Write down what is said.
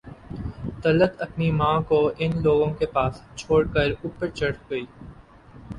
طلعت اپنی ماں کو ان کے پاس چھوڑ کر اوپر چڑھ گئی